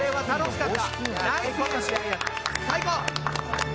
最高！